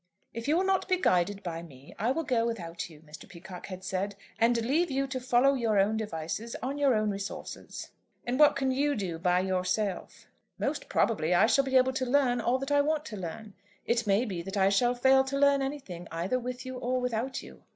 "If you will not be guided by me, I will go without you," Mr. Peacocke had said, "and leave you to follow your own devices on your own resources." "And what can you do by yourself?" "Most probably I shall be able to learn all that I want to learn. It may be that I shall fail to learn anything either with you or without you.